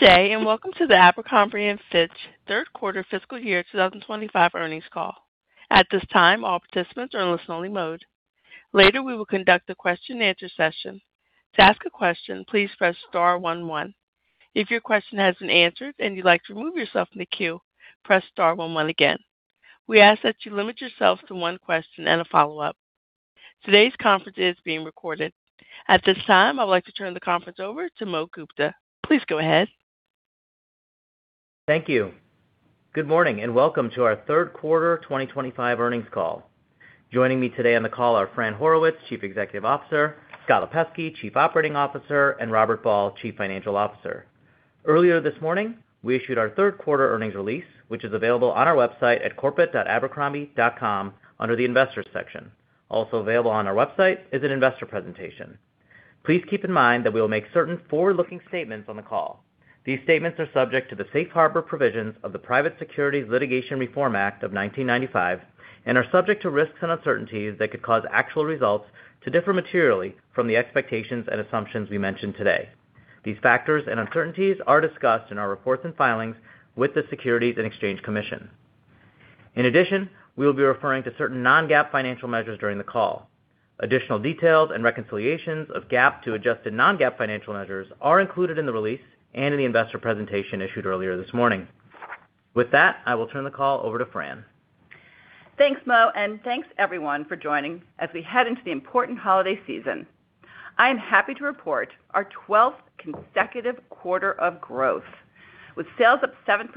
Good day and welcome to the Abercrombie & Fitch third quarter fiscal year 2025 earnings call. At this time, all participants are in listen-only mode. Later, we will conduct a question-and-answer session. To ask a question, please press star 11. If your question has not been answered and you would like to remove yourself from the queue, press star 11 again. We ask that you limit yourself to one question and a follow-up. Today's conference is being recorded. At this time, I would like to turn the conference over to Mohit Gupta. Please go ahead. Thank you. Good morning and welcome to our third quarter 2025 earnings call. Joining me today on the call are Fran Horowitz, Chief Executive Officer; Scott Lipesky, Chief Operating Officer; and Robert Ball, Chief Financial Officer. Earlier this morning, we issued our third quarter earnings release, which is available on our website at corporate.abercrombie.com under the Investors section. Also available on our website is an investor presentation. Please keep in mind that we will make certain forward-looking statements on the call. These statements are subject to the Safe Harbor provisions of the Private Securities Litigation Reform Act of 1995 and are subject to risks and uncertainties that could cause actual results to differ materially from the expectations and assumptions we mentioned today. These factors and uncertainties are discussed in our reports and filings with the Securities and Exchange Commission. In addition, we will be referring to certain non-GAAP financial measures during the call. Additional details and reconciliations of GAAP to adjusted non-GAAP financial measures are included in the release and in the investor presentation issued earlier this morning. With that, I will turn the call over to Fran. Thanks, Mo, and thanks, everyone, for joining as we head into the important holiday season. I am happy to report our 12th consecutive quarter of growth, with sales up 7%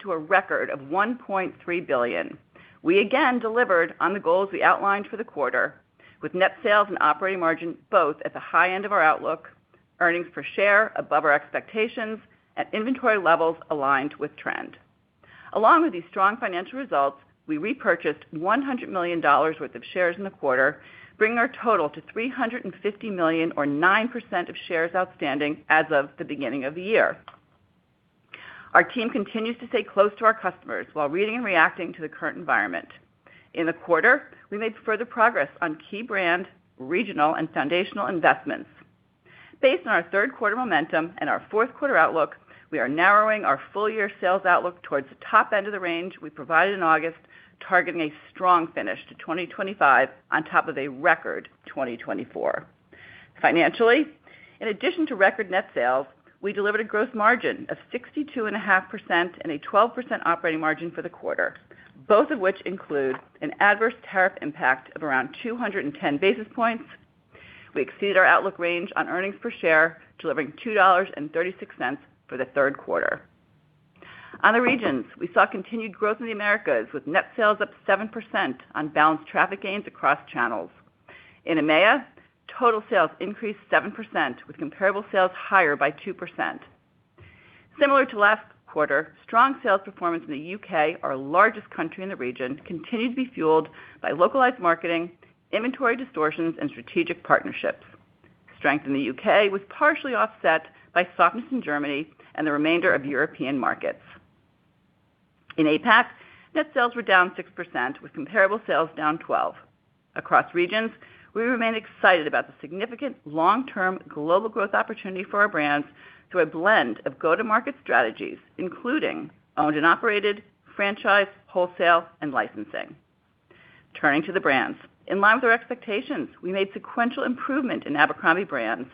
to a record of $1.3 billion. We again delivered on the goals we outlined for the quarter, with net sales and operating margin both at the high end of our outlook, earnings per share above our expectations, and inventory levels aligned with trend. Along with these strong financial results, we repurchased $100 million worth of shares in the quarter, bringing our total to $350 million, or 9% of shares outstanding as of the beginning of the year. Our team continues to stay close to our customers while reading and reacting to the current environment. In the quarter, we made further progress on key brand, regional, and foundational investments. Based on our third quarter momentum and our fourth quarter outlook, we are narrowing our full-year sales outlook towards the top end of the range we provided in August, targeting a strong finish to 2025 on top of a record 2024. Financially, in addition to record net sales, we delivered a gross margin of 62.5% and a 12% operating margin for the quarter, both of which include an adverse tariff impact of around 210 basis points. We exceeded our outlook range on earnings per share, delivering $2.36 for the third quarter. On the regions, we saw continued growth in the Americas with net sales up 7% on balanced traffic gains across channels. In EMEA, total sales increased 7%, with comparable sales higher by 2%. Similar to last quarter, strong sales performance in the U.K., our largest country in the region, continued to be fueled by localized marketing, inventory distortions, and strategic partnerships. Strength in the U.K. was partially offset by softness in Germany and the remainder of European markets. In APAC, net sales were down 6%, with comparable sales down 12%. Across regions, we remain excited about the significant long-term global growth opportunity for our brands through a blend of go-to-market strategies, including owned and operated, franchise, wholesale, and licensing. Turning to the brands, in line with our expectations, we made sequential improvement in Abercrombie brands.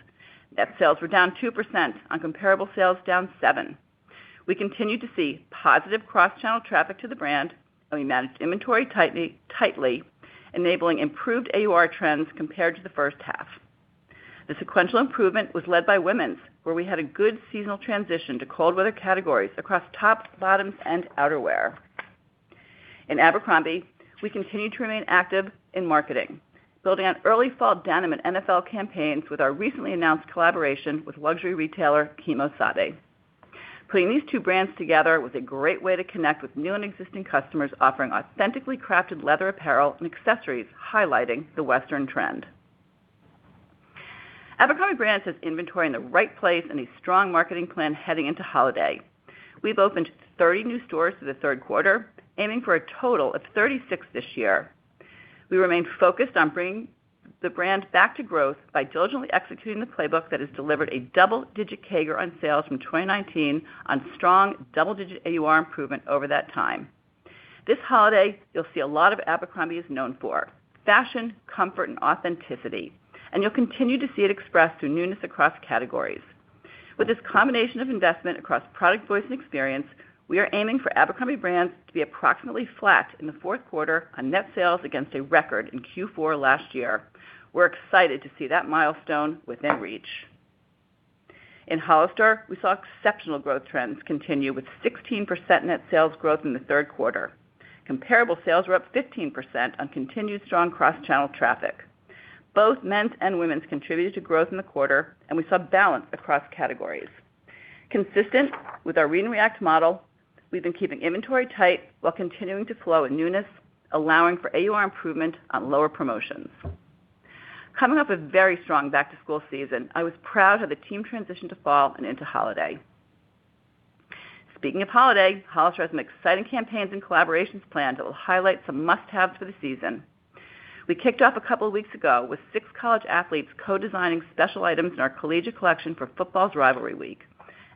Net sales were down 2%, on comparable sales down 7%. We continued to see positive cross-channel traffic to the brand, and we managed inventory tightly, enabling improved AUR trends compared to the first half. The sequential improvement was led by women's, where we had a good seasonal transition to cold-weather categories across tops, bottoms, and outerwear. In Abercrombie, we continue to remain active in marketing, building on early fall denim and NFL campaigns with our recently announced collaboration with luxury retailer Kimo Sabe. Putting these two brands together was a great way to connect with new and existing customers, offering authentically crafted leather apparel and accessories highlighting the Western trend. Abercrombie brands has inventory in the right place and a strong marketing plan heading into holiday. We've opened 30 new stores through the third quarter, aiming for a total of 36 this year. We remain focused on bringing the brand back to growth by diligently executing the playbook that has delivered a double-digit CAGR on sales from 2019 on strong double-digit AUR improvement over that time. This holiday, you'll see a lot of what Abercrombie is known for: fashion, comfort, and authenticity, and you'll continue to see it expressed through newness across categories. With this combination of investment across product, voice, and experience, we are aiming for Abercrombie brands to be approximately flat in the fourth quarter on net sales against a record in Q4 last year. We're excited to see that milestone within reach. In Hollister, we saw exceptional growth trends continue with 16% net sales growth in the third quarter. Comparable sales were up 15% on continued strong cross-channel traffic. Both men's and women's contributed to growth in the quarter, and we saw balance across categories. Consistent with our read and react model, we've been keeping inventory tight while continuing to flow in newness, allowing for AUR improvement on lower promotions. Coming off a very strong back-to-school season, I was proud of the team's transition to fall and into holiday. Speaking of holiday, Hollister has some exciting campaigns and collaborations planned that will highlight some must-haves for the season. We kicked off a couple of weeks ago with six college athletes co-designing special items in our Collegiate Collection for Football's Rivalry Week.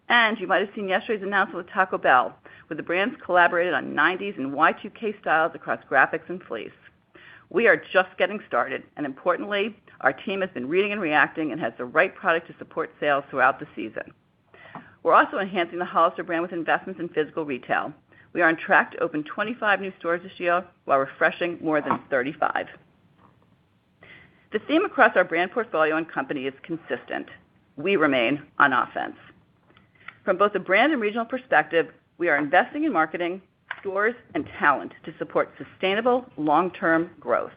You might have seen yesterday's announcement with Taco Bell, where the brands collaborated on 90s and Y2K styles across graphics and fleece. We are just getting started, and importantly, our team has been reading and reacting and has the right product to support sales throughout the season. We're also enhancing the Hollister brand with investments in physical retail. We are on track to open 25 new stores this year while refreshing more than 35. The theme across our brand portfolio and company is consistent. We remain on offense. From both a brand and regional perspective, we are investing in marketing, stores, and talent to support sustainable long-term growth.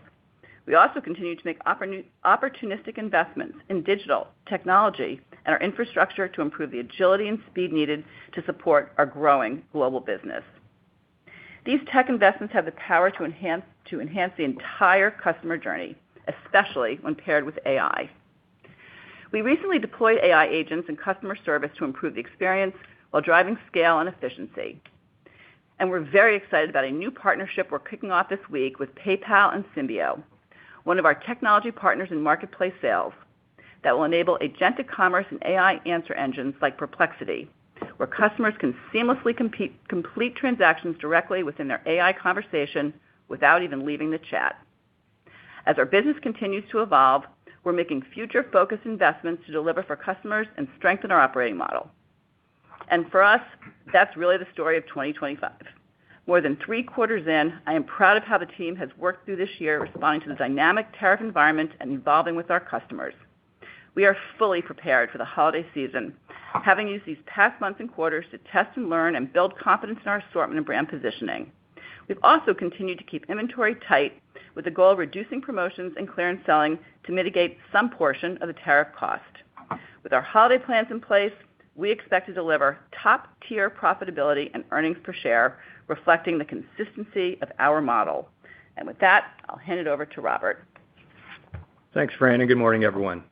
We also continue to make opportunistic investments in digital technology and our infrastructure to improve the agility and speed needed to support our growing global business. These tech investments have the power to enhance the entire customer journey, especially when paired with AI. We recently deployed AI agents in customer service to improve the experience while driving scale and efficiency. We are very excited about a new partnership we are kicking off this week with PayPal and Symbio, one of our technology partners in marketplace sales, that will enable agentic commerce and AI answer engines like Perplexity, where customers can seamlessly complete transactions directly within their AI conversation without even leaving the chat. As our business continues to evolve, we're making future-focused investments to deliver for customers and strengthen our operating model. For us, that's really the story of 2025. More than three quarters in, I am proud of how the team has worked through this year responding to the dynamic tariff environment and evolving with our customers. We are fully prepared for the holiday season, having used these past months and quarters to test and learn and build confidence in our assortment and brand positioning. We've also continued to keep inventory tight with the goal of reducing promotions and clearance selling to mitigate some portion of the tariff cost. With our holiday plans in place, we expect to deliver top-tier profitability and earnings per share, reflecting the consistency of our model. With that, I'll hand it over to Robert. Thanks, Fran, and good morning, everyone.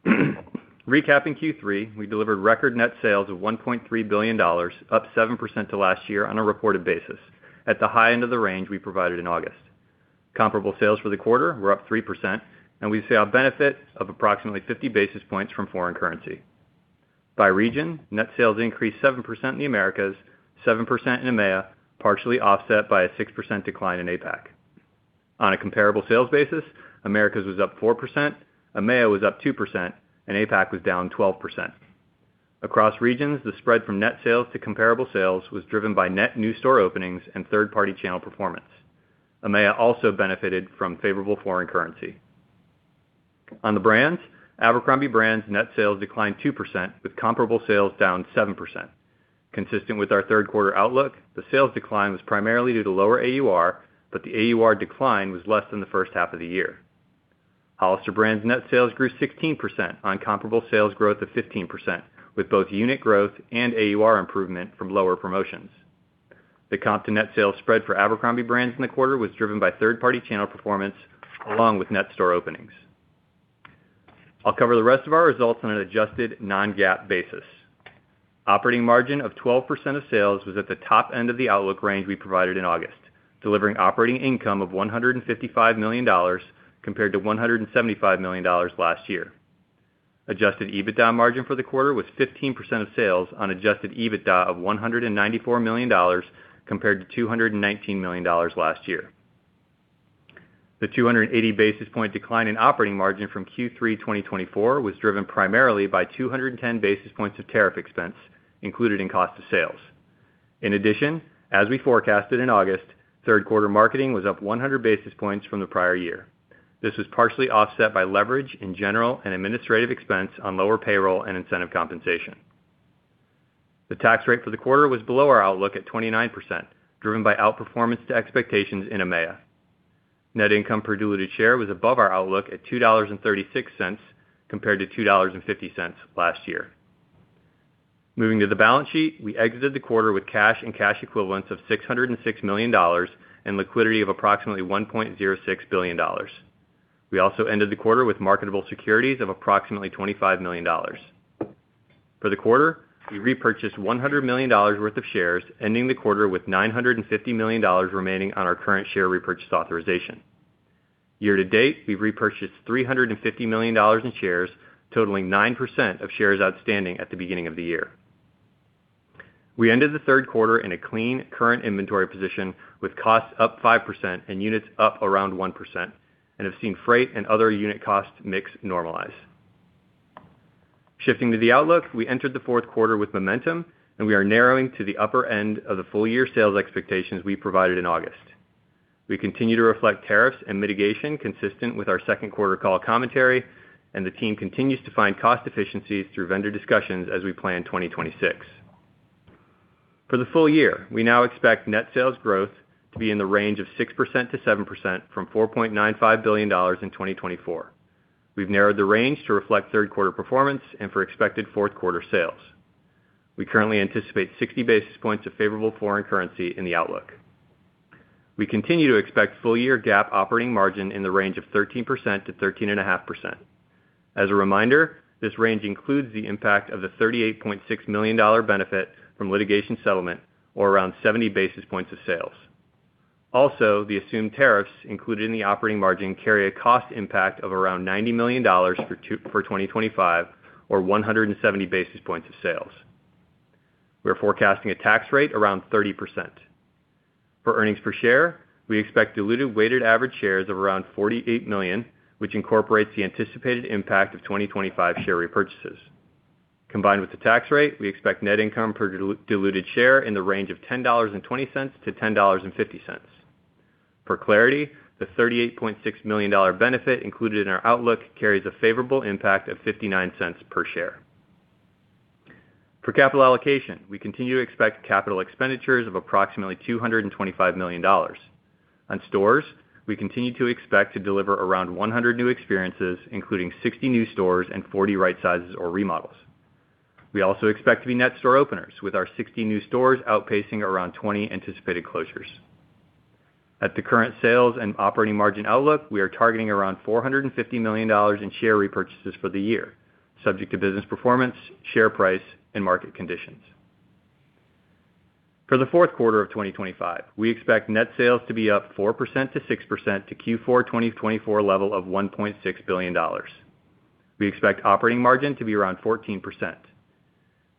Recapping Q3, we delivered record net sales of $1.3 billion, up 7% to last year on a reported basis, at the high end of the range we provided in August. Comparable sales for the quarter were up 3%, and we saw a benefit of approximately 50 basis points from foreign currency. By region, net sales increased 7% in the Americas, 7% in EMEA, partially offset by a 6% decline in APAC. On a comparable sales basis, Americas was up 4%, EMEA was up 2%, and APAC was down 12%. Across regions, the spread from net sales to comparable sales was driven by net new store openings and third-party channel performance. EMEA also benefited from favorable foreign currency. On the brands, Abercrombie brands' net sales declined 2%, with comparable sales down 7%. Consistent with our third quarter outlook, the sales decline was primarily due to lower AUR, but the AUR decline was less than the first half of the year. Hollister brands' net sales grew 16% on comparable sales growth of 15%, with both unit growth and AUR improvement from lower promotions. The comp to net sales spread for Abercrombie brands in the quarter was driven by third-party channel performance along with net store openings. I'll cover the rest of our results on an adjusted non-GAAP basis. Operating margin of 12% of sales was at the top end of the outlook range we provided in August, delivering operating income of $155 million compared to $175 million last year. Adjusted EBITDA margin for the quarter was 15% of sales on adjusted EBITDA of $194 million compared to $219 million last year. The 280 basis point decline in operating margin from Q3 2024 was driven primarily by 210 basis points of tariff expense included in cost of sales. In addition, as we forecasted in August, third-quarter marketing was up 100 basis points from the prior year. This was partially offset by leverage in general and administrative expense on lower payroll and incentive compensation. The tax rate for the quarter was below our outlook at 29%, driven by outperformance to expectations in EMEA. Net income per diluted share was above our outlook at $2.36 compared to $2.50 last year. Moving to the balance sheet, we exited the quarter with cash and cash equivalents of $606 million and liquidity of approximately $1.06 billion. We also ended the quarter with marketable securities of approximately $25 million. For the quarter, we repurchased $100 million worth of shares, ending the quarter with $950 million remaining on our current share repurchase authorization. Year to date, we've repurchased $350 million in shares, totaling 9% of shares outstanding at the beginning of the year. We ended the third quarter in a clean current inventory position with costs up 5% and units up around 1%, and have seen freight and other unit cost mix normalize. Shifting to the outlook, we entered the fourth quarter with momentum, and we are narrowing to the upper end of the full-year sales expectations we provided in August. We continue to reflect tariffs and mitigation consistent with our second quarter call commentary, and the team continues to find cost efficiencies through vendor discussions as we plan 2026. For the full year, we now expect net sales growth to be in the range of 6%-7% from $4.95 billion in 2024. We've narrowed the range to reflect third-quarter performance and for expected fourth-quarter sales. We currently anticipate 60 basis points of favorable foreign currency in the outlook. We continue to expect full-year GAAP operating margin in the range of 13%-13.5%. As a reminder, this range includes the impact of the $38.6 million benefit from litigation settlement, or around 70 basis points of sales. Also, the assumed tariffs included in the operating margin carry a cost impact of around $90 million for 2025, or 170 basis points of sales. We're forecasting a tax rate around 30%. For earnings per share, we expect diluted weighted average shares of around 48 million, which incorporates the anticipated impact of 2025 share repurchases. Combined with the tax rate, we expect net income per diluted share in the range of $10.20-$10.50. For clarity, the $38.6 million benefit included in our outlook carries a favorable impact of $0.59 per share. For capital allocation, we continue to expect capital expenditures of approximately $225 million. On stores, we continue to expect to deliver around 100 new experiences, including 60 new stores and 40 right sizes or remodels. We also expect to be net store openers, with our 60 new stores outpacing around 20 anticipated closures. At the current sales and operating margin outlook, we are targeting around $450 million in share repurchases for the year, subject to business performance, share price, and market conditions. For the fourth quarter of 2025, we expect net sales to be up 4%-6% to Q4 2024 level of $1.6 billion. We expect operating margin to be around 14%.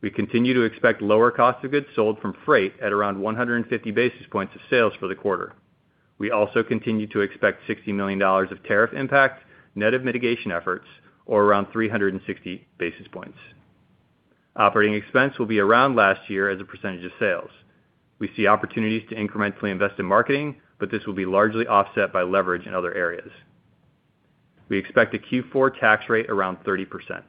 We continue to expect lower cost of goods sold from freight at around 150 basis points of sales for the quarter. We also continue to expect $60 million of tariff impact, net of mitigation efforts, or around 360 basis points. Operating expense will be around last year as a percentage of sales. We see opportunities to incrementally invest in marketing, but this will be largely offset by leverage in other areas. We expect a Q4 tax rate around 30%.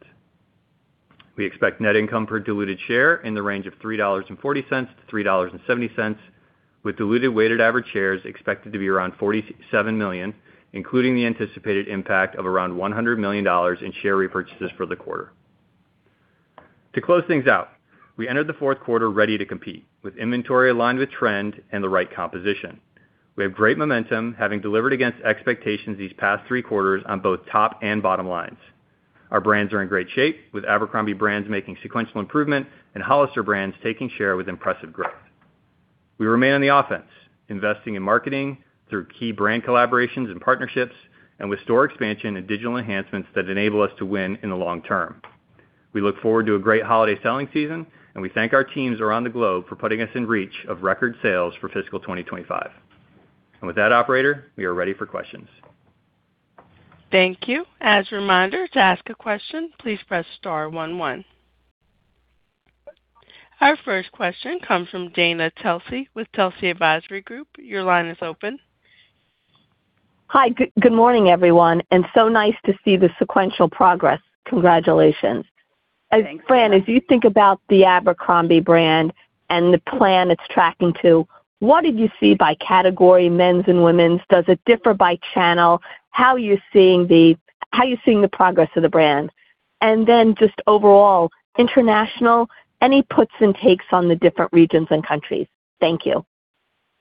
We expect net income per diluted share in the range of $3.40-$3.70, with diluted weighted average shares expected to be around 47 million, including the anticipated impact of around $100 million in share repurchases for the quarter. To close things out, we entered the fourth quarter ready to compete, with inventory aligned with trend and the right composition. We have great momentum, having delivered against expectations these past three quarters on both top and bottom lines. Our brands are in great shape, with Abercrombie brands making sequential improvement and Hollister brands taking share with impressive growth. We remain on the offense, investing in marketing through key brand collaborations and partnerships, and with store expansion and digital enhancements that enable us to win in the long term. We look forward to a great holiday selling season, and we thank our teams around the globe for putting us in reach of record sales for fiscal 2025. With that, operator, we are ready for questions. Thank you. As a reminder, to ask a question, please press star 11. Our first question comes from Dana Telsey with Telsey Advisory Group. Your line is open. Hi, good morning, everyone. So nice to see the sequential progress. Congratulations. Thank you. Fran, as you think about the Abercrombie brand and the plan it's tracking to, what did you see by category? Men's and women's? Does it differ by channel? How are you seeing the progress of the brand? Just overall, international, any puts and takes on the different regions and countries? Thank you.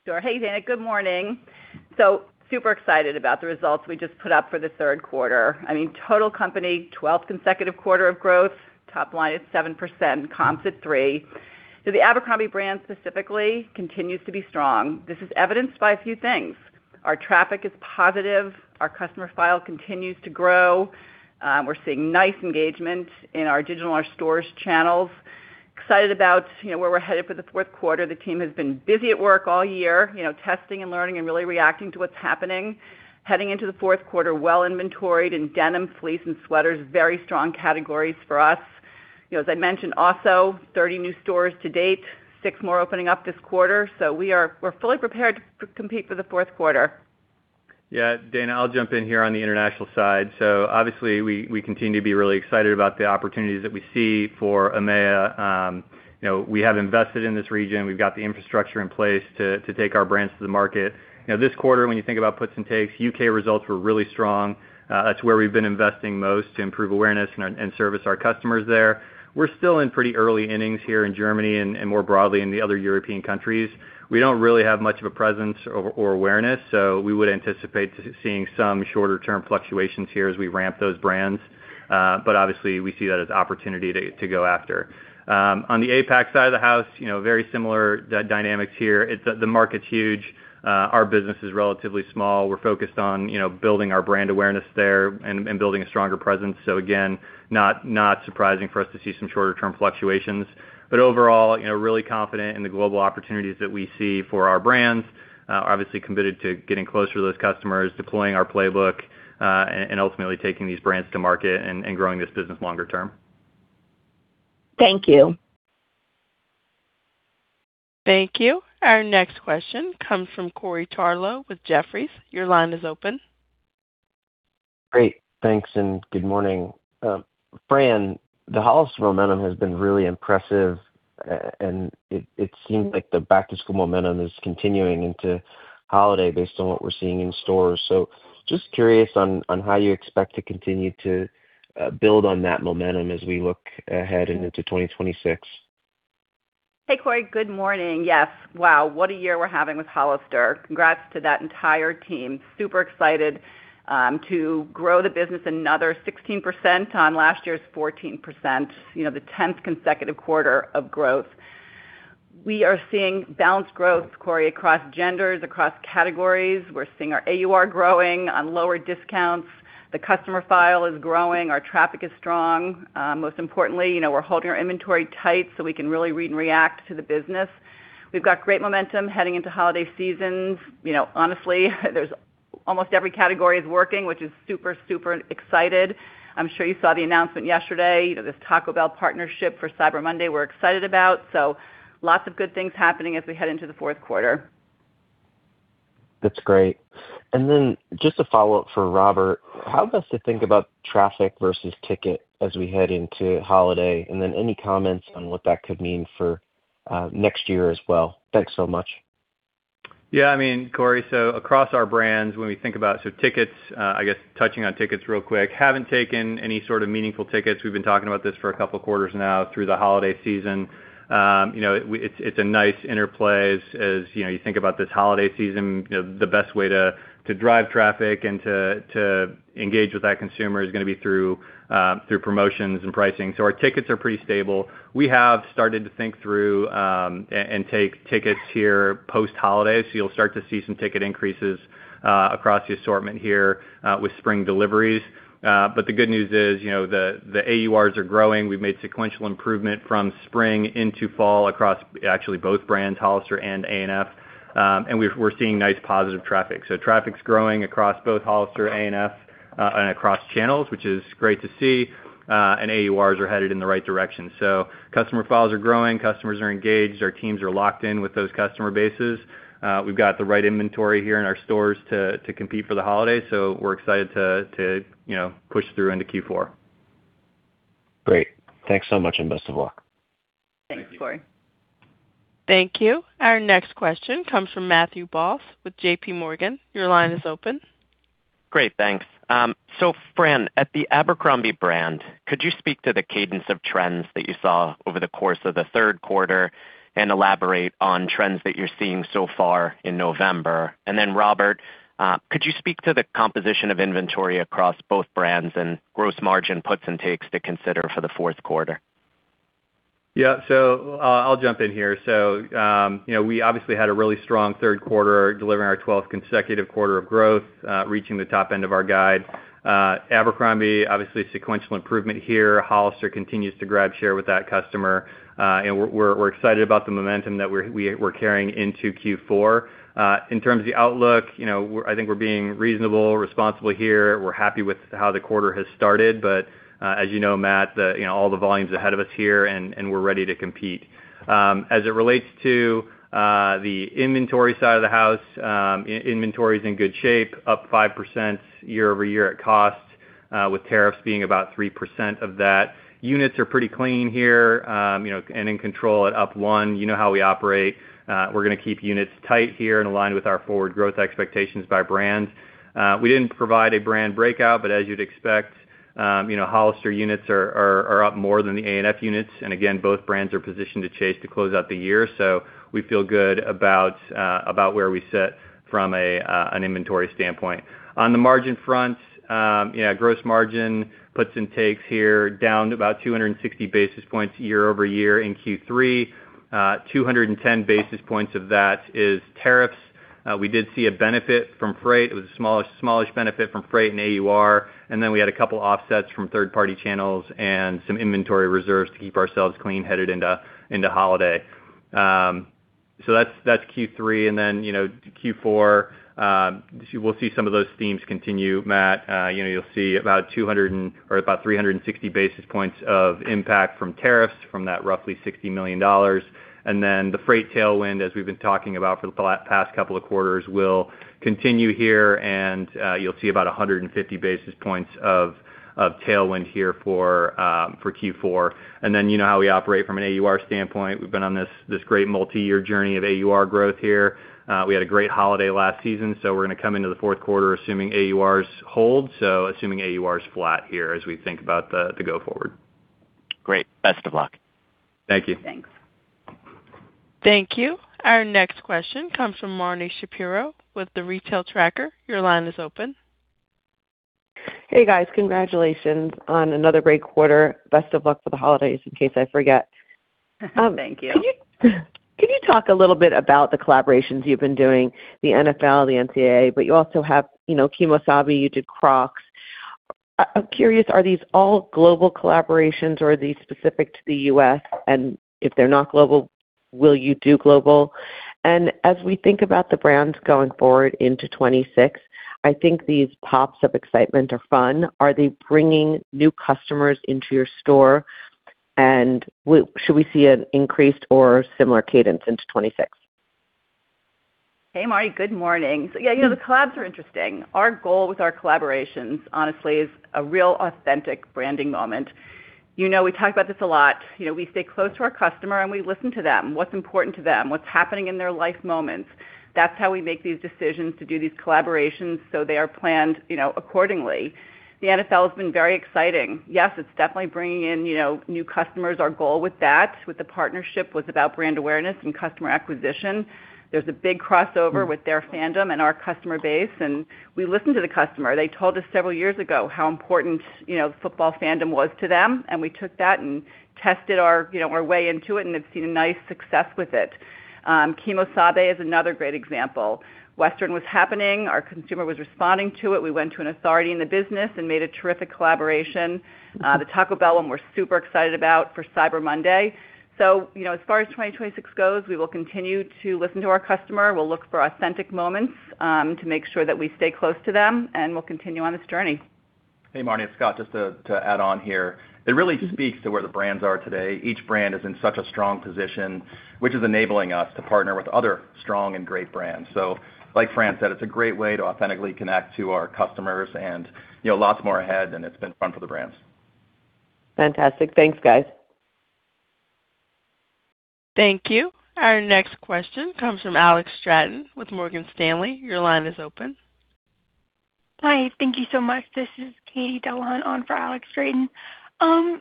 Sure. Hey, Dana. Good morning. Super excited about the results we just put up for the third quarter. I mean, total company, 12th consecutive quarter of growth. Top line at 7%, comps at 3%. The Abercrombie brand specifically continues to be strong. This is evidenced by a few things. Our traffic is positive. Our customer file continues to grow. We're seeing nice engagement in our digital and our stores channels. Excited about where we're headed for the fourth quarter. The team has been busy at work all year, testing and learning and really reacting to what's happening. Heading into the fourth quarter, well inventoried in denim, fleece, and sweaters, very strong categories for us. As I mentioned, also 30 new stores to date, six more opening up this quarter. We're fully prepared to compete for the fourth quarter. Yeah, Dana, I'll jump in here on the international side. Obviously, we continue to be really excited about the opportunities that we see for EMEA. We have invested in this region. We've got the infrastructure in place to take our brands to the market. This quarter, when you think about puts and takes, U.K. results were really strong. That's where we've been investing most to improve awareness and service our customers there. We're still in pretty early innings here in Germany and more broadly in the other European countries. We don't really have much of a presence or awareness, so we would anticipate seeing some shorter-term fluctuations here as we ramp those brands. Obviously, we see that as opportunity to go after. On the APAC side of the house, very similar dynamics here. The market's huge. Our business is relatively small. We're focused on building our brand awareness there and building a stronger presence. Again, not surprising for us to see some shorter-term fluctuations. Overall, really confident in the global opportunities that we see for our brands, obviously committed to getting closer to those customers, deploying our playbook, and ultimately taking these brands to market and growing this business longer term. Thank you. Thank you. Our next question comes from Corey Tarlowe with Jefferies. Your line is open. Great. Thanks and good morning. Fran, the Hollister momentum has been really impressive, and it seems like the back-to-school momentum is continuing into holiday based on what we're seeing in stores. Just curious on how you expect to continue to build on that momentum as we look ahead and into 2026. Hey, Corey. Good morning. Yes. Wow, what a year we're having with Hollister. Congrats to that entire team. Super excited to grow the business another 16% on last year's 14%, the 10th consecutive quarter of growth. We are seeing balanced growth, Corey, across genders, across categories. We're seeing our AUR growing on lower discounts. The customer file is growing. Our traffic is strong. Most importantly, we're holding our inventory tight so we can really read and react to the business. We've got great momentum heading into holiday seasons. Honestly, almost every category is working, which is super, super exciting. I'm sure you saw the announcement yesterday, this Taco Bell partnership for Cyber Monday we're excited about. Lots of good things happening as we head into the fourth quarter. That's great. Just a follow-up for Robert, how best to think about traffic versus ticket as we head into holiday? Any comments on what that could mean for next year as well? Thanks so much. Yeah, I mean, Corey, so across our brands, when we think about tickets, I guess touching on tickets real quick, haven't taken any sort of meaningful tickets. We've been talking about this for a couple of quarters now through the holiday season. It's a nice interplay as you think about this holiday season. The best way to drive traffic and to engage with that consumer is going to be through promotions and pricing. Our tickets are pretty stable. We have started to think through and take tickets here post-holiday. You'll start to see some ticket increases across the assortment here with spring deliveries. The good news is the AURs are growing. We've made sequential improvement from spring into fall across actually both brands, Hollister and A&F. We're seeing nice positive traffic. Traffic's growing across both Hollister, A&F, and across channels, which is great to see. AURs are headed in the right direction. Customer files are growing. Customers are engaged. Our teams are locked in with those customer bases. We have the right inventory here in our stores to compete for the holiday. We are excited to push through into Q4. Great. Thanks so much and best of luck. Thank you, Corey. Thank you. Our next question comes from Matthew Boss with JPMorgan. Your line is open. Great. Thanks. Fran, at the Abercrombie brand, could you speak to the cadence of trends that you saw over the course of the third quarter and elaborate on trends that you're seeing so far in November? Robert, could you speak to the composition of inventory across both brands and gross margin puts and takes to consider for the fourth quarter? Yeah. I'll jump in here. We obviously had a really strong third quarter, delivering our 12th consecutive quarter of growth, reaching the top end of our guide. Abercrombie, obviously, sequential improvement here. Hollister continues to grab share with that customer. We're excited about the momentum that we're carrying into Q4. In terms of the outlook, I think we're being reasonable, responsible here. We're happy with how the quarter has started. As you know, Matt, all the volumes ahead of us here, and we're ready to compete. As it relates to the inventory side of the house, inventory is in good shape, up 5% year over year at cost, with tariffs being about 3% of that. Units are pretty clean here and in control at up 1. You know how we operate. We're going to keep units tight here and align with our forward growth expectations by brand. We didn't provide a brand breakout, but as you'd expect, Hollister units are up more than the A&F units. Again, both brands are positioned to chase to close out the year. We feel good about where we sit from an inventory standpoint. On the margin front, gross margin, puts and takes here, down to about 260 basis points year over year in Q3. 210 basis points of that is tariffs. We did see a benefit from freight. It was a smallish benefit from freight and AUR. Then we had a couple of offsets from third-party channels and some inventory reserves to keep ourselves clean headed into holiday. That's Q3. In Q4, we'll see some of those themes continue, Matt. You'll see about 200 or about 360 basis points of impact from tariffs from that roughly $60 million. The freight tailwind, as we've been talking about for the past couple of quarters, will continue here. You'll see about 150 basis points of tailwind here for Q4. You know how we operate from an AUR standpoint. We've been on this great multi-year journey of AUR growth here. We had a great holiday last season. We're going to come into the fourth quarter assuming AURs hold. Assuming AURs flat here as we think about the go-forward. Great. Best of luck. Thank you. Thanks. Thank you. Our next question comes from Marni Shapiro with The Retail Tracker. Your line is open. Hey, guys. Congratulations on another great quarter. Best of luck for the holidays in case I forget. Thank you. Can you talk a little bit about the collaborations you've been doing, the NFL, the NCAA, but you also have Kimo Sabe. You did Crocs. I'm curious, are these all global collaborations, or are these specific to the U.S.? If they're not global, will you do global? As we think about the brands going forward into 2026, I think these pops of excitement are fun. Are they bringing new customers into your store, and should we see an increased or similar cadence into 2026? Hey, Marni. Good morning. Yeah, the collabs are interesting. Our goal with our collaborations, honestly, is a real authentic branding moment. We talk about this a lot. We stay close to our customer, and we listen to them. What's important to them? What's happening in their life moments? That's how we make these decisions to do these collaborations so they are planned accordingly. The NFL has been very exciting. Yes, it's definitely bringing in new customers. Our goal with that, with the partnership, was about brand awareness and customer acquisition. There's a big crossover with their fandom and our customer base. We listened to the customer. They told us several years ago how important football fandom was to them. We took that and tested our way into it, and they've seen a nice success with it. Kimo Sabe is another great example. Western was happening. Our consumer was responding to it. We went to an authority in the business and made a terrific collaboration. The Taco Bell one we're super excited about for Cyber Monday. As far as 2026 goes, we will continue to listen to our customer. We'll look for authentic moments to make sure that we stay close to them, and we'll continue on this journey. Hey, Marni and Scott, just to add on here, it really speaks to where the brands are today. Each brand is in such a strong position, which is enabling us to partner with other strong and great brands. Like Fran said, it's a great way to authentically connect to our customers and lots more ahead. It's been fun for the brands. Fantastic. Thanks, guys. Thank you. Our next question comes from Alexandra Straton with Morgan Stanley. Your line is open. Hi. Thank you so much. This is Katy Delahunt on for Alexandra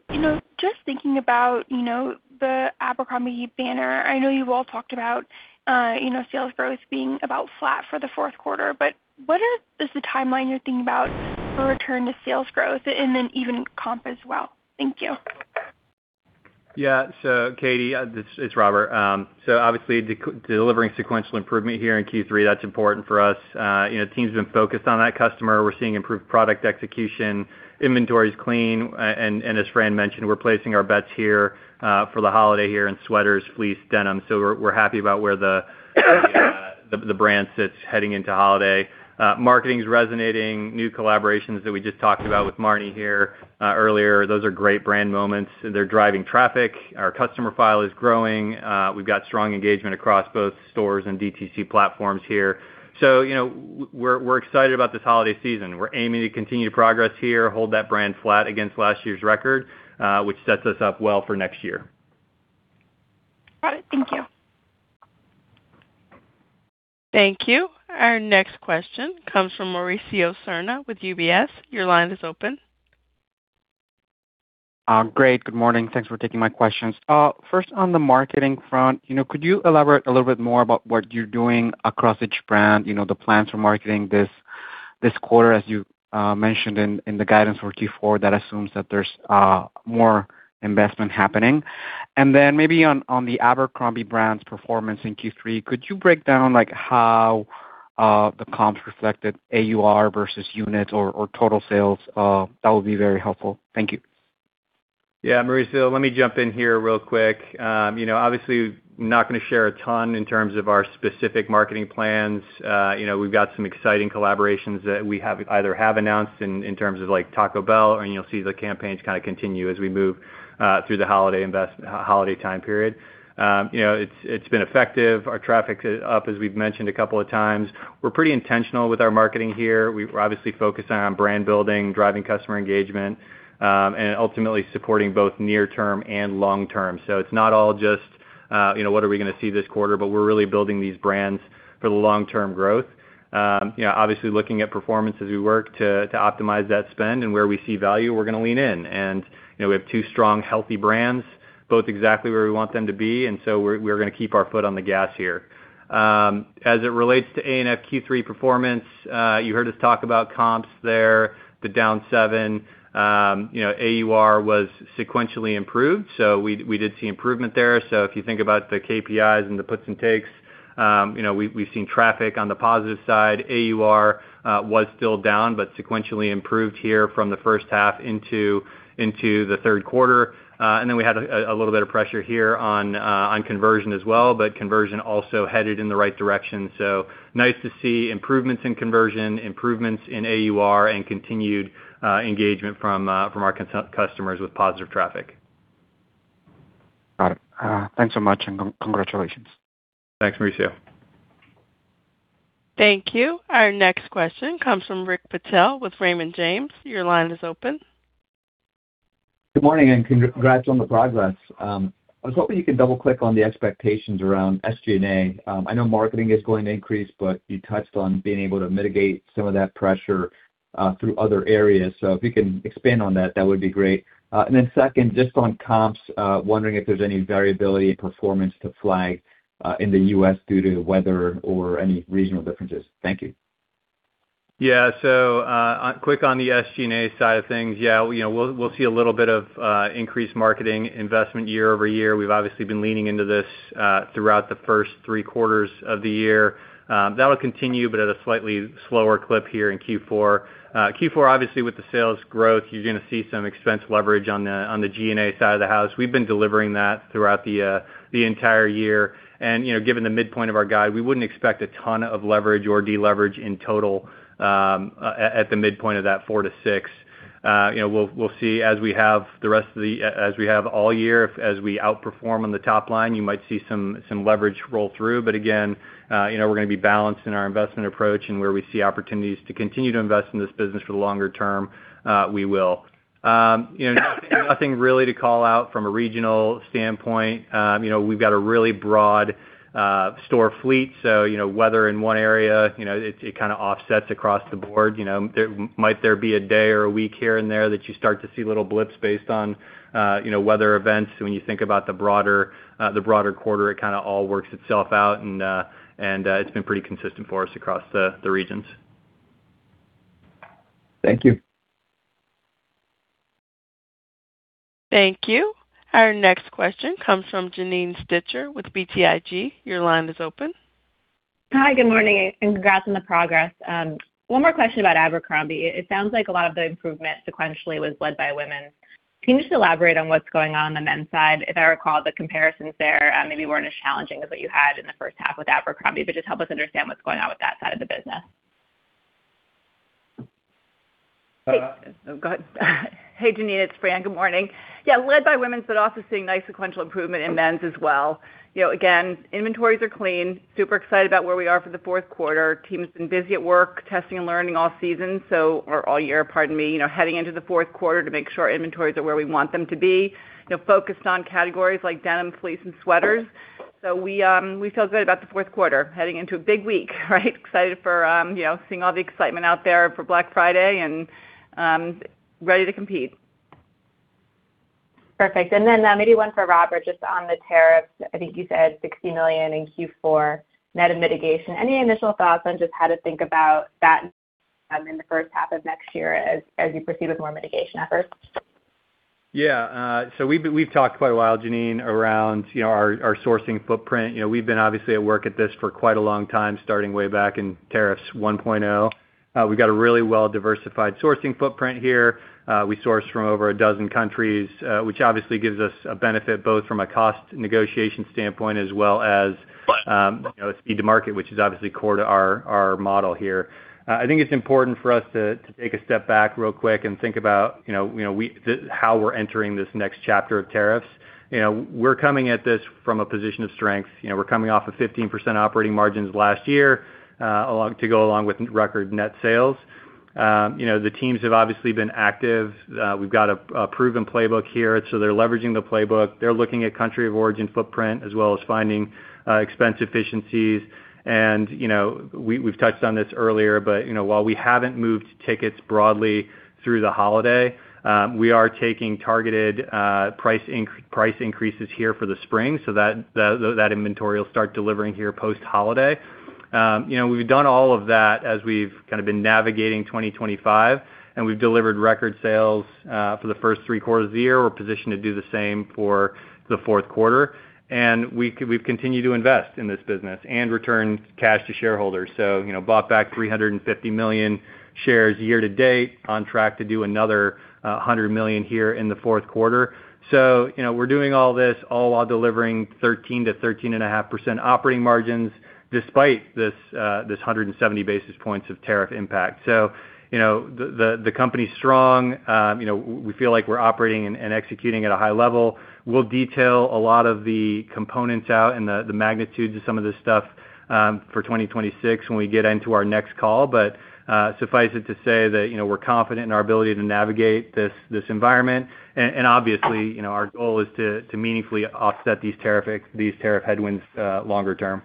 Straton. Just thinking about the Abercrombie banner, I know you've all talked about sales growth being about flat for the fourth quarter. What is the timeline you're thinking about for return to sales growth and then even comp as well? Thank you. Yeah. So Katy, it's Robert. Obviously, delivering sequential improvement here in Q3, that's important for us. The team's been focused on that customer. We're seeing improved product execution, inventory's clean. As Fran mentioned, we're placing our bets here for the holiday here in sweaters, fleece, denim. We're happy about where the brand sits heading into holiday. Marketing's resonating. New collaborations that we just talked about with Marni here earlier, those are great brand moments. They're driving traffic. Our customer file is growing. We've got strong engagement across both stores and DTC platforms here. We're excited about this holiday season. We're aiming to continue to progress here, hold that brand flat against last year's record, which sets us up well for next year. Got it. Thank you. Thank you. Our next question comes from Mauricio Serna with UBS. Your line is open. Great. Good morning. Thanks for taking my questions. First, on the marketing front, could you elaborate a little bit more about what you're doing across each brand, the plans for marketing this quarter, as you mentioned in the guidance for Q4 that assumes that there's more investment happening? Then maybe on the Abercrombie brand's performance in Q3, could you break down how the comps reflected AUR versus units or total sales? That would be very helpful. Thank you. Yeah, Mauricio, let me jump in here real quick. Obviously, not going to share a ton in terms of our specific marketing plans. We've got some exciting collaborations that we either have announced in terms of Taco Bell, and you'll see the campaigns kind of continue as we move through the holiday time period. It's been effective. Our traffic's up, as we've mentioned a couple of times. We're pretty intentional with our marketing here. We're obviously focused on brand building, driving customer engagement, and ultimately supporting both near-term and long-term. It's not all just, "What are we going to see this quarter?" We're really building these brands for the long-term growth. Obviously, looking at performance as we work to optimize that spend and where we see value, we're going to lean in. We have two strong, healthy brands, both exactly where we want them to be. We're going to keep our foot on the gas here. As it relates to A&F Q3 performance, you heard us talk about comps there, the down seven. AUR was sequentially improved. We did see improvement there. If you think about the KPIs and the puts and takes, we've seen traffic on the positive side. AUR was still down, but sequentially improved here from the first half into the third quarter. We had a little bit of pressure here on conversion as well, but conversion also headed in the right direction. Nice to see improvements in conversion, improvements in AUR, and continued engagement from our customers with positive traffic. Got it. Thanks so much and congratulations. Thanks, Mauricio. Thank you. Our next question comes from Rick Patel with Raymond James. Your line is open. Good morning and congrats on the progress. I was hoping you could double-click on the expectations around SG&A. I know marketing is going to increase, but you touched on being able to mitigate some of that pressure through other areas. If you can expand on that, that would be great. Second, just on comps, wondering if there's any variability in performance to flag in the U.S. due to weather or any regional differences. Thank you. Yeah. Quick on the SG&A side of things. Yeah, we'll see a little bit of increased marketing investment year over year. We've obviously been leaning into this throughout the first three quarters of the year. That'll continue but at a slightly slower clip here in Q4. Q4, obviously, with the sales growth, you're going to see some expense leverage on the G&A side of the house. We've been delivering that throughout the entire year. Given the midpoint of our guide, we wouldn't expect a ton of leverage or deleverage in total at the midpoint of that four to six. We'll see as we have the rest of the year, as we outperform on the top line, you might see some leverage roll through. Again, we're going to be balanced in our investment approach. Where we see opportunities to continue to invest in this business for the longer term, we will. Nothing really to call out from a regional standpoint. We've got a really broad store fleet. Weather in one area, it kind of offsets across the board. Might there be a day or a week here and there that you start to see little blips based on weather events. When you think about the broader quarter, it kind of all works itself out. It's been pretty consistent for us across the regions. Thank you. Thank you. Our next question comes from Janine Stichter with BTIG. Your line is open. Hi. Good morning. Congrats on the progress. One more question about Abercrombie. It sounds like a lot of the improvement sequentially was led by women. Can you just elaborate on what's going on on the men's side? If I recall, the comparisons there maybe weren't as challenging as what you had in the first half with Abercrombie, but just help us understand what's going on with that side of the business. Hey, Janine. It's Fran. Good morning. Yeah, led by women, but also seeing nice sequential improvement in men's as well. Again, inventories are clean. Super excited about where we are for the fourth quarter. Team's been busy at work, testing and learning all seasons, or all year, pardon me, heading into the fourth quarter to make sure inventories are where we want them to be. Focused on categories like denim, fleece, and sweaters. We feel good about the fourth quarter, heading into a big week, right? Excited for seeing all the excitement out there for Black Friday and ready to compete. Perfect. Maybe one for Robert, just on the tariffs. I think you said $60 million in Q4, net of mitigation. Any initial thoughts on just how to think about that in the first half of next year as you proceed with more mitigation efforts? Yeah. We've talked quite a while, Janine, around our sourcing footprint. We've been obviously at work at this for quite a long time, starting way back in tariffs 1.0. We've got a really well-diversified sourcing footprint here. We source from over a dozen countries, which obviously gives us a benefit both from a cost negotiation standpoint as well as speed to market, which is obviously core to our model here. I think it's important for us to take a step back real quick and think about how we're entering this next chapter of tariffs. We're coming at this from a position of strength. We're coming off of 15% operating margins last year to go along with record net sales. The teams have obviously been active. We've got a proven playbook here. They're leveraging the playbook. They're looking at country of origin footprint as well as finding expense efficiencies. We have touched on this earlier, but while we have not moved tickets broadly through the holiday, we are taking targeted price increases here for the spring so that that inventory will start delivering here post-holiday. We have done all of that as we have kind of been navigating 2025, and we have delivered record sales for the first three quarters of the year. We are positioned to do the same for the fourth quarter. We have continued to invest in this business and return cash to shareholders. We bought back $350 million shares year to date, on track to do another $100 million here in the fourth quarter. We are doing all this all while delivering 13%-13.5% operating margins despite this 170 basis points of tariff impact. The company is strong. We feel like we are operating and executing at a high level. We'll detail a lot of the components out and the magnitudes of some of this stuff for 2026 when we get into our next call. Suffice it to say that we're confident in our ability to navigate this environment. Obviously, our goal is to meaningfully offset these tariff headwinds longer term.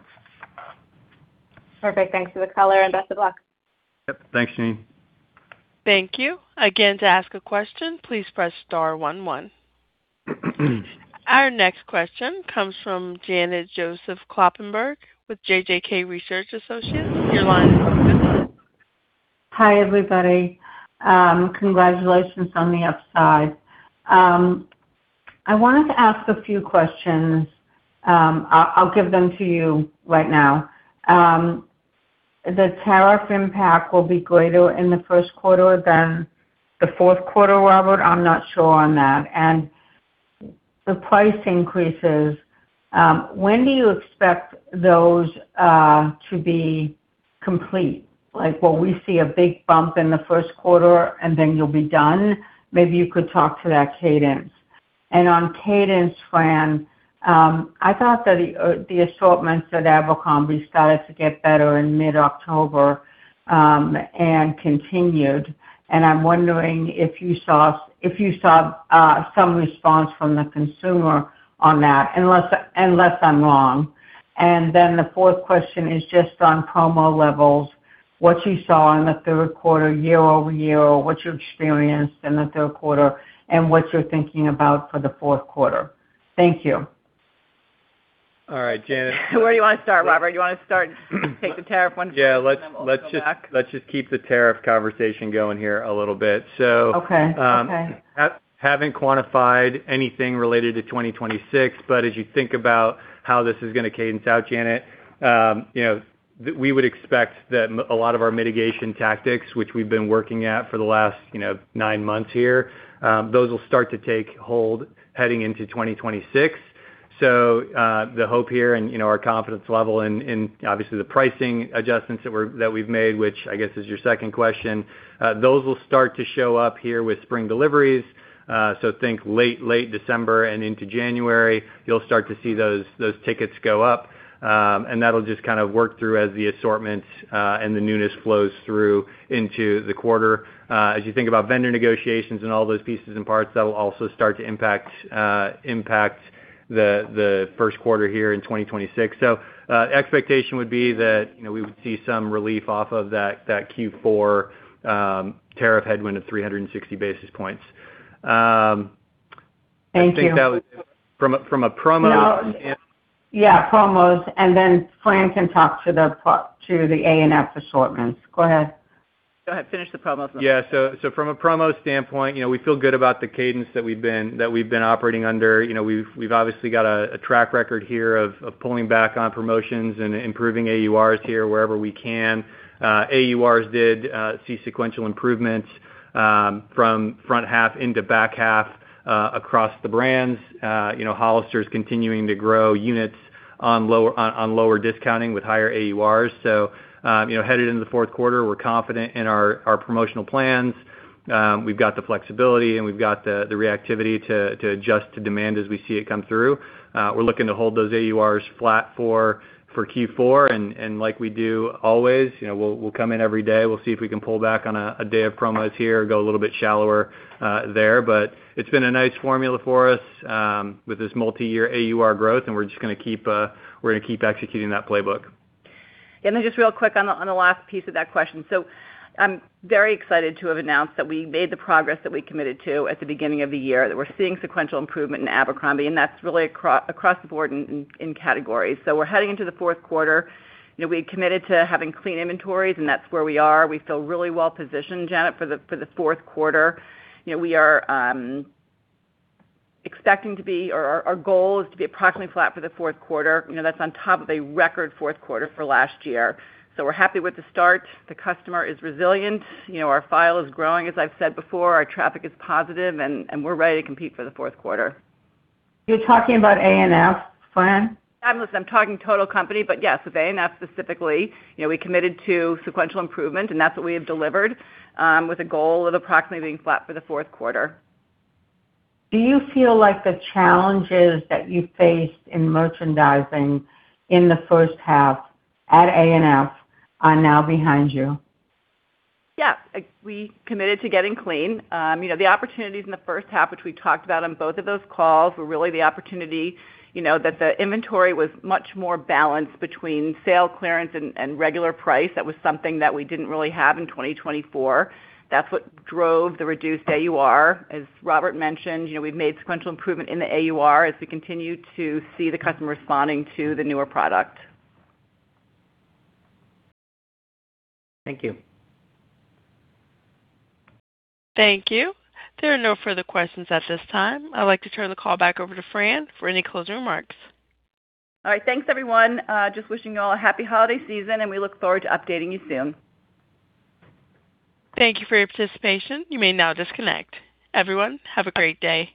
Perfect. Thanks for the color and best of luck. Yep. Thanks, Janine. Thank you. Again, to ask a question, please press star 11. Our next question comes from Janet Kloppenburg with JJK Research Associates. Your line is open. Hi, everybody. Congratulations on the upside. I wanted to ask a few questions. I'll give them to you right now. The tariff impact will be greater in the first quarter than the fourth quarter, Robert? I'm not sure on that. And the price increases, when do you expect those to be complete? Will we see a big bump in the first quarter and then you'll be done? Maybe you could talk to that cadence. On cadence, Fran, I thought that the assortments at Abercrombie started to get better in mid-October and continued. I'm wondering if you saw some response from the consumer on that, unless I'm wrong. The fourth question is just on promo levels, what you saw in the third quarter, year over year, or what you experienced in the third quarter, and what you're thinking about for the fourth quarter. Thank you. All right. Janet. Where do you want to start, Robert? Do you want to start, take the tariff one? Yeah. Let's just keep the tariff conversation going here a little bit. We haven't quantified anything related to 2026, but as you think about how this is going to cadence out, Janet, we would expect that a lot of our mitigation tactics, which we've been working at for the last nine months here, those will start to take hold heading into 2026. The hope here and our confidence level in obviously the pricing adjustments that we've made, which I guess is your second question, those will start to show up here with spring deliveries. Think late, late December and into January, you'll start to see those tickets go up. That'll just kind of work through as the assortments and the newness flows through into the quarter. As you think about vendor negotiations and all those pieces and parts, that'll also start to impact the first quarter here in 2026. Expectation would be that we would see some relief off of that Q4 tariff headwind of 360 basis points. I think that from a promo. Yeah, promos. Then Fran can talk to the A&F assortments. Go ahead. Go ahead. Finish the promos. Yeah. From a promo standpoint, we feel good about the cadence that we've been operating under. We've obviously got a track record here of pulling back on promotions and improving AURs here wherever we can. AURs did see sequential improvements from front half into back half across the brands. Hollister's continuing to grow units on lower discounting with higher AURs. Headed into the fourth quarter, we're confident in our promotional plans. We've got the flexibility, and we've got the reactivity to adjust to demand as we see it come through. We're looking to hold those AURs flat for Q4. Like we do always, we'll come in every day. We'll see if we can pull back on a day of promos here or go a little bit shallower there. It's been a nice formula for us with this multi-year AUR growth, and we're just going to keep executing that playbook. Yeah. And then just real quick on the last piece of that question. I'm very excited to have announced that we made the progress that we committed to at the beginning of the year, that we're seeing sequential improvement in Abercrombie. That's really across the board in categories. We're heading into the fourth quarter. We committed to having clean inventories, and that's where we are. We feel really well positioned, Janet, for the fourth quarter. We are expecting to be or our goal is to be approximately flat for the fourth quarter. That's on top of a record fourth quarter for last year. We're happy with the start. The customer is resilient. Our file is growing, as I've said before. Our traffic is positive, and we're ready to compete for the fourth quarter. You're talking about A&F, Fran? I'm talking total company, but yes, with A&F specifically. We committed to sequential improvement, and that's what we have delivered with a goal of approximately being flat for the fourth quarter. Do you feel like the challenges that you faced in merchandising in the first half at A&F are now behind you? Yeah. We committed to getting clean. The opportunities in the first half, which we talked about on both of those calls, were really the opportunity that the inventory was much more balanced between sale clearance and regular price. That was something that we did not really have in 2024. That is what drove the reduced AUR. As Robert mentioned, we have made sequential improvement in the AUR as we continue to see the customer responding to the newer product. Thank you. Thank you. There are no further questions at this time. I'd like to turn the call back over to Fran for any closing remarks. All right. Thanks, everyone. Just wishing you all a happy holiday season, and we look forward to updating you soon. Thank you for your participation. You may now disconnect. Everyone, have a great day.